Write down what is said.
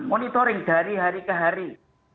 monitoring dari hari ke hari